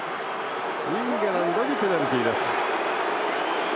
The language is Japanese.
イングランドにペナルティーです。